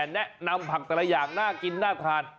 แนะนำผักแต่ละอย่างน่ากินน่าทาน